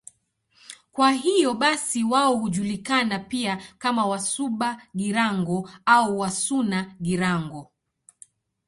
Kwa hiyo basi wao hujulikana pia kama Wasuba-Girango au Wasuna-Girango.